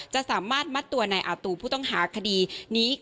สามารถมัดตัวนายอาตูผู้ต้องหาคดีนี้